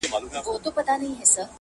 توکل نردئ، اندېښنه ښځه.